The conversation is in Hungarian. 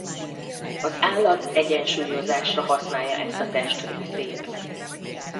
Az állat egyensúlyozásra használja ezt a testrészét.